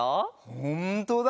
ほんとだ！